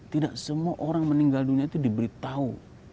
tidak semua orang meninggal dunia itu diberitahu